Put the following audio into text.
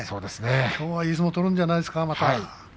きょうもいい相撲を取るんじゃないかな。